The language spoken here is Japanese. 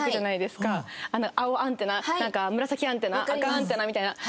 青アンテナ紫アンテナ赤アンテナみたいな。